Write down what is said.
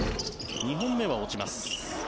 ２本目は落ちます。